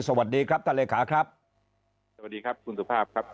สวัสดีครับท่านเลขาครับสวัสดีครับคุณสุภาพครับ